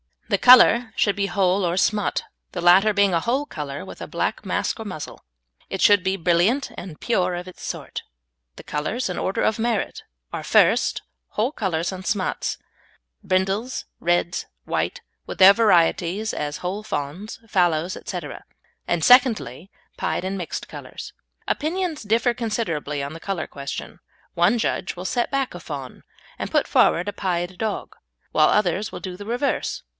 The colour should be whole or smut, the latter being a whole colour with a black mask or muzzle. It should be brilliant and pure of its sort. The colours in order of merit are, first, whole colours and smuts, viz., brindles, reds, white, with their varieties, as whole fawns, fallows, etc., and, secondly, pied and mixed colours. Opinions differ considerably on the colour question; one judge will set back a fawn and put forward a pied dog, whilst others will do the reverse.